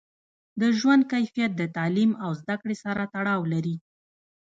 د ژوند کیفیت د تعلیم او زده کړې سره تړاو لري.